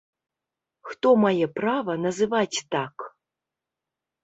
Хто мае права называць так?